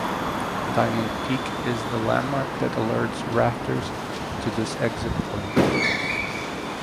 Diamond Peak is the landmark that alerts rafters to this exit point.